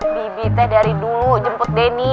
bibi teh dari dulu jemput denny